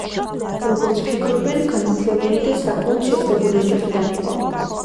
როგორც ფიქრობენ, განათლებული და საკმაოდ შეძლებული ოჯახიდან იყო.